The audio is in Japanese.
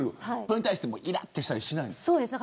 それに対していらっとしたりしないの。